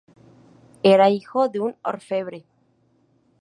Era hijo de un orfebre.